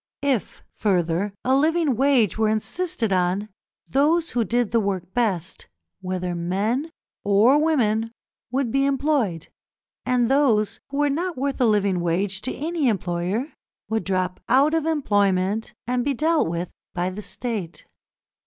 If, further, a living wage were insisted on, those who did the work best, whether men or women, would be employed, and those who were not worth a living wage to any employer would drop out of employment and be dealt with by the State.